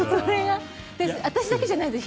私だけじゃないです